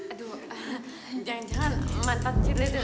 aduh jangan jangan mantap cikgu